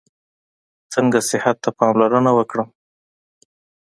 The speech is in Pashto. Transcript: څنګه صحت ته پاملرنه وکړم؟